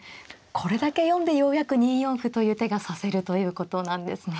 これだけ読んでようやく２四歩という手が指せるということなんですね。